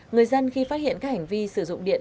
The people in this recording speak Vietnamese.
người dân khi phát hiện các hành vi sử dụng điện